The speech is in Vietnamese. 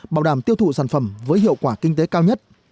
bảo đảm tiêu thụ sản phẩm với hiệu quả kinh tế cao nhất